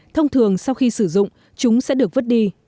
thông thường sau khi sử dụng chúng sẽ được vứt đi